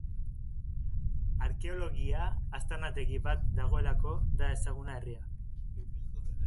Arkeologia-aztarnategi bat dagoelako da ezaguna herria.